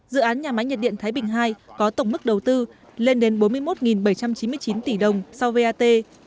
dự án nhà máy nhiệt điện thái bình ii có tổng mức đầu tư lên đến bốn mươi một bảy trăm chín mươi chín tỷ đồng sau vat